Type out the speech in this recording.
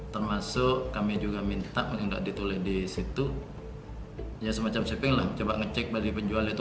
termasuk kami juga minta ditulis di situ ya semacam shipping lah coba ngecek bagi penjual itu